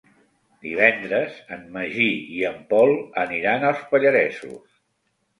Divendres en Magí i en Pol aniran als Pallaresos.